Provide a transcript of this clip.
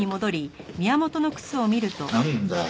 なんだよ？